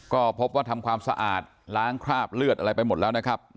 ก็พบว่าทำความสะอาดล้างคราบเลือดอะไรไปหมดแล้วนะครับ